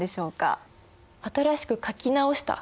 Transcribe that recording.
新しく書き直した。